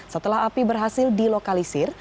setelah api berhasil dilokalisir